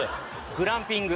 グランピング。